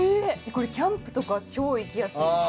これキャンプとか超行きやすいですね。